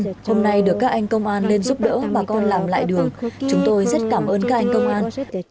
hôm nay được các anh công an lên giúp đỡ bà con làm lại đường chúng tôi rất cảm ơn các anh công an